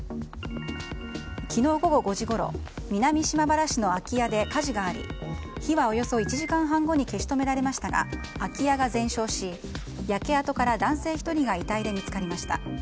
昨日午後５時ごろ南島原市の空き家で火事があり火はおよそ１時間半後に消し止められましたが空き家が全焼し焼け跡から男性１人が遺体で見つかりました。